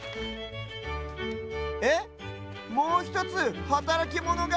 えっもうひとつはたらきモノが！